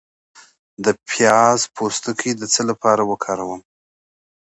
د پیاز پوستکی د څه لپاره وکاروم؟